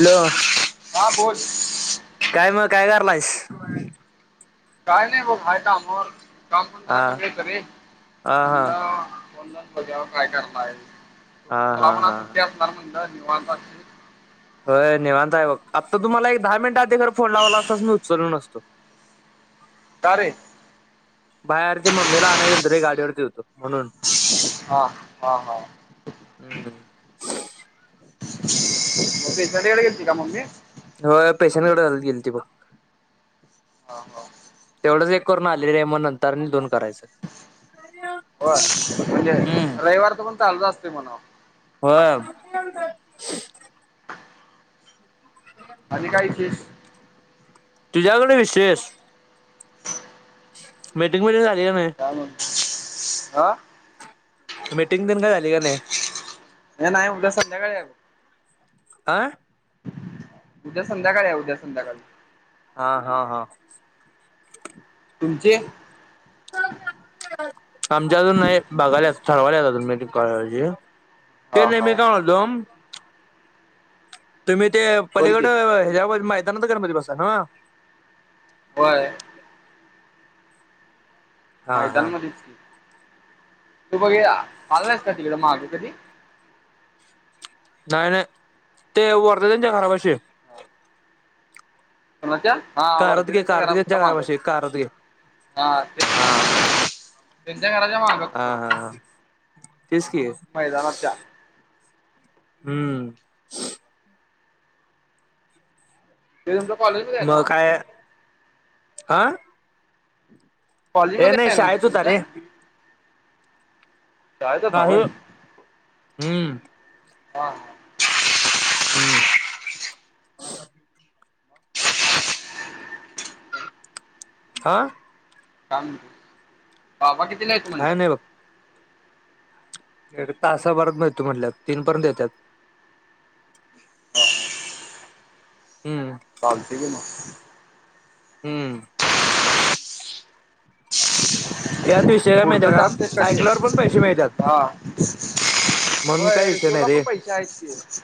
Hello. हा बोल. काय मगकाय कारलायस? काय नाही बघ हाय काम वर काम पण हा जरा [unintelligible] रे. [unintelligible] हा [unintelligible] हा काय करणार आहे हा त्याला हा म्हणा हा सुट्टी असणार म्हणला निवांत अस होय निवांता आहे बघ आत्ता तुम्हाला एक दहा मिनिटं आधी घर फोन लावला असतास मी उचलो नसतो. तारे बाहेर ते मम्मीला आणय गेलतो रे गाडीवरती होतो म्हणून. हा हा हा. हम्म. [unintelligible] कडे गेलती का मम्मी? होय पेशंट कडे गेलीती बघ. हाव हाव. तेवढंच एक करून आलेली आहे मग नंतरनी दोन करायचं. हो म्हणजे हम्म रविवारचा पण चालूच असते म्हणाव. होय. [unintelligible] आणि काय विशेष? तुझ्याकडे विशेष मीटिंग वगैरे झाली हाय क नाय? काय म्हणतोस आं. मीटिंग तेन काय झाली का नाय? हे नाय उद्या संध्याकाळी आहे. आं उद्या संध्याकाळी या उद्या संध्याकाळी. हा हा हा तुम्ज्हची. आमची अजुन नाही, बघायची ठरवायच्यात मीिजी [unintelligible] ते हा नाही हा मी काय म्हणतो तुम्ही ते - बोल की पलीकड ह्याच्या मैदानामध्ये गणपती बसवताय नवं. होय हा हा मैदानामध्येच की, तू बघी आला नाहीस का माग कधी. नाय नाय ते वरध त्यांच्या खराबशी [unintelligible] कोणाच्या. हा कारदगे वर्धवींच्या घरा कारदगेच्या घरापाशी मागत कारदगे हा ते हा [inaudible] [inaudible] हा बरोबर हा तीच की. मैदानात जा हम्म ते आमच्या कॉलेजमध्ये [inaudible] मग काय अ- कॉलिंग मध्ये फॅन हाय शाळेत वाटतं होता तुमचा. रे शाळेतच ना हा ह होय हु वा हु [inaudible] हा थांब बाबा कितीला येतो काय म्हटल्यात? एका तासाभरातनं येतो म्हनल्यात तीन पर्यंत येतो. हम्म पार्टी दिला. हम विषय काय माहितीये पुढचा टास्क ते का कधी ऐकल्यावर पण पैसे मिळतात हा [inaudible] म्हणून काही वय विषय नाही रे तुलापण पैसे आहेत की.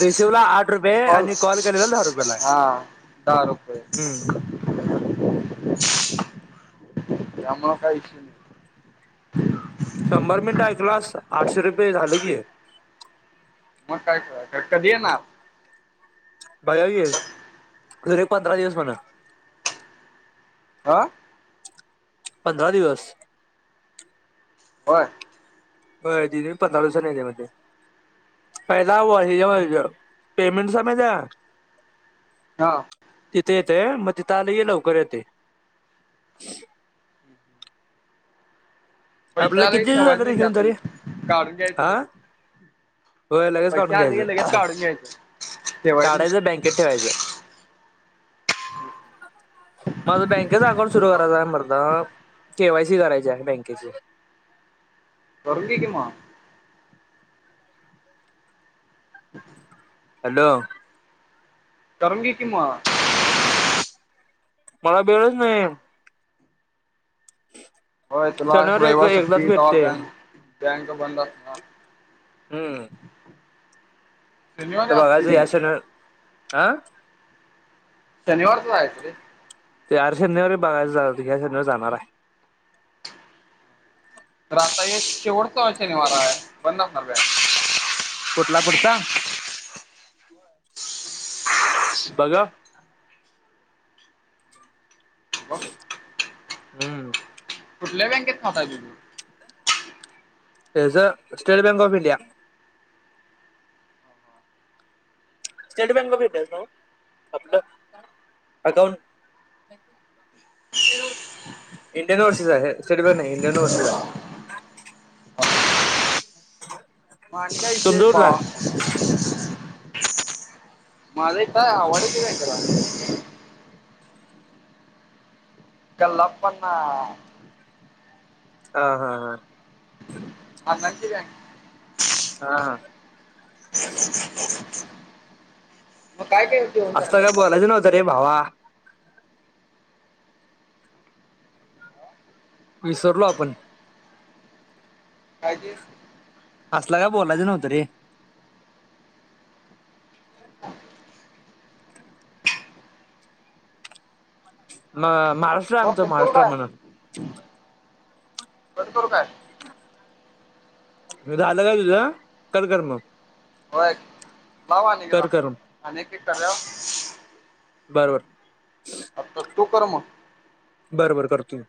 रिसिव्हला आठ रुपये कॉल आणि केलेला दहा रुपयाला आहे ला. हा दहा रुपये. हम्म त्यामुळें काय इशय ना- शंभर मिनिट ऐकलास, की आटशे रुपये झालं की. मग काय तर कधी येणार. बघुया की खर हे पंधरा दिवस म्हण आ पंधरा दिवस. होय होय दीदी पंधरा दिवसांनी येतं बघ- पहिला बाह्या हे वायच पेमेंट [unintelligible] थांब. तिथं येतंय मग तिथं आलं की लवकर येतंय. पैसे आपलं आले किती की दिवस झालं ठेवायचं रे नाही त्यात, घेऊन तरी काढून घ्यायचं हा लगेच. होय लगेच पैसे काढून आले की लगेच घ्यायचं काढून घ्यायचं ठेवायचं नाही. [unintelligible] काढायचं बँकेत ठेवायचं माझं बँकेचं अकाउंट सुरू करायचं हाय मर्दा, केवायसी करायची आहे बँकेची. [inaudible] करून घे की मग. हॅलो. करून घे की मग. मला वेळच नाही. होय तुला शनिवारी एक रविवार एकदाच सुट्टी तवा भेटते बँक बँक बंद असणार. हम्म. शनिवारी आता असते बघायचंय की या सगळं, आ? शनिवारचं जायाचं रे. यार शनिवारी बघायला जाऊ दे, या शनिवारी जाणार हाय. खरं आता एक शेवटचा शनिवार आहे बंद असणार बॅंक. कुठला पुढचा? बघा. मग हम्म. कुठल्या बँकेत खात आहे तुझं? हेज state bank of India. State bank of इंडियाच न्हवं आपलं अकॉउंट? इंडियन व्हर्सेस आहे स्टेट बँक नाही, इंडियन व्हर्सेस आहे. [inaudible] [inaudible] मग आणि काय तुमचा विशेष कुठला आहे? भावा? माझ काय [unintelligible] काय त्याला. कल्लाप्पाला हा हा हा. अण्णांची बँक हा. मग काय केल? असं पाहिलं बोलायचं नव्हतं रे भावा. विसरलो आपण. काय ते? असलं काय बोलायचं नव्हत रे. म-महाराष्ट्र आमचा मग करू महाराष्ट्र काय म्हणून. कट करू काय? मग झालं काय तुझं? कट कर मग. होय लाव आणि एकदा कर कर आणि एक एक करुया. बर बर. आता तु कर मग. बर बर करतो की.